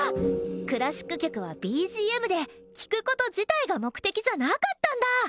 クラシック曲はＢＧＭで聴くこと自体が目的じゃなかったんだ！